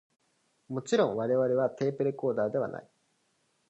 もちろん我々はテープレコーダーではない